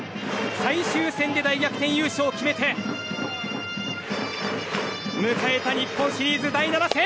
最終戦で大逆転優勝を決めて迎えた日本シリーズ第７戦。